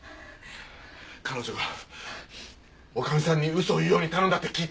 彼女が女将さんに嘘を言うように頼んだって聞いて。